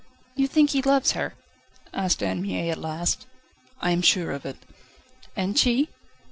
"You think he loves her?" asked Anne Mie at last. "I am sure of it." "And she?"